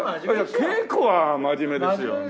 稽古は真面目ですよね。